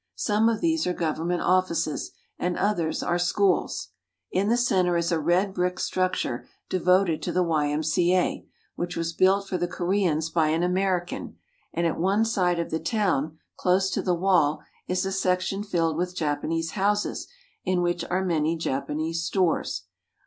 Some of these are government offices, and others are schools. In the center is a red brick structure devoted to the Y.M.C.A. which was built for the Koreans by an American, and at one side of the town close to the wall is a section filled with Japanese houses in which are many Japanese stores.